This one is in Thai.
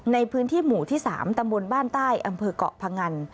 ในพื้นที่หมู่ที่๓ตำบลบ้านใต้อำเภอกเกาะพงัน